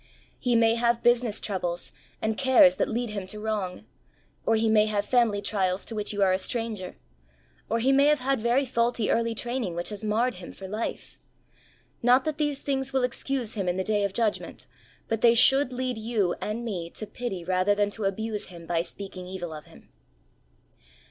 He may have business troubles and cares that lead him to wrong, or he may have family trials to which you are a stranger, or he may have had very faulty early training which has marred him for life. Not that these things will excuse him in the Day of Judgment, but they should lead you and me to pity rather than to abuse him by speaking evil of him.